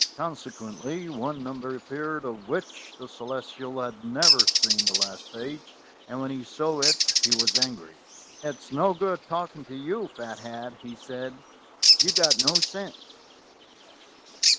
Consequently one number appeared of which the Ce lestial had never seen the last page, and when he saw it he was angry. "It's no good talking to you, Fat head," he said ; "you've got no sense.